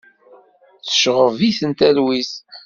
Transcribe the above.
Tceɣɣeb-iten talwit.